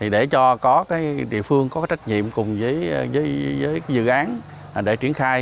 để cho địa phương có trách nhiệm cùng với dự án để triển khai